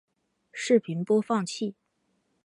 视频播放器